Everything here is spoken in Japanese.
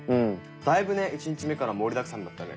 だいぶね１日目から盛りだくさんだったね。